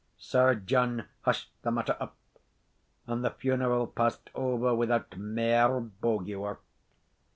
Sir John hushed the matter up, and the funeral passed over without mair bogie wark.